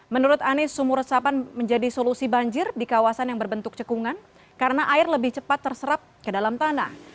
menurut anies sumur resapan menjadi solusi banjir di kawasan yang berbentuk cekungan karena air lebih cepat terserap ke dalam tanah